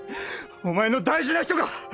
⁉お前の大事な人か⁉